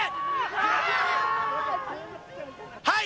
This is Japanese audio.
はい！